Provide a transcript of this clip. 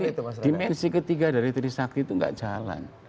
iya jadi dimensi ketiga dari trisakti itu nggak jalan